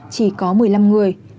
chỉ có một mươi năm người